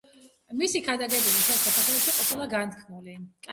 მისი ქადაგებები მთელ საქართველოში ყოფილა განთქმული.